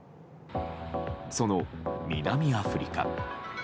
その南アフリカ。